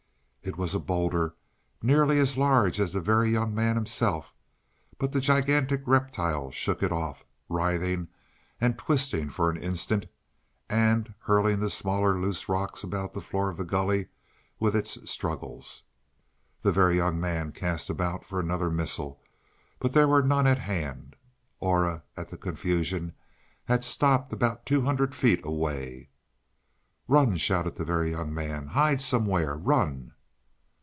It was a bowlder nearly as large as the Very Young Man himself, but the gigantic reptile shook it off, writhing and twisting for an instant, and hurling the smaller loose rocks about the floor of the gully with its struggles. The Very Young Man cast about for another missile, but there were none at hand. Aura, at the confusion, had stopped about two hundred feet away. "Run!" shouted the Very Young Man. "Hide somewhere! Run!"